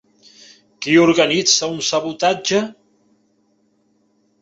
Qui organitza un sabotatge?